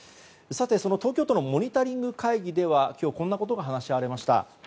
その東京都のモニタリング会議では今日こんなことが話し合われました。